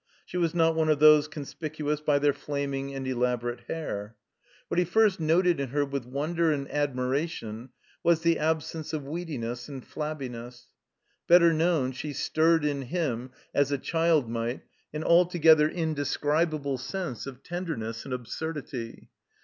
She was not one of those conspicuous by their flaming and elaborate hair. What he first noted in her with wonder and admira tion was the absence of weediness and flabbiness. Better known, she stirred in him, as a child might, an altogether indescribable sense of tenderness and absurdity.